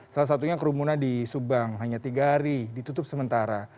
salah satunya kerumunan di subang hanya tiga hari ditutup sementara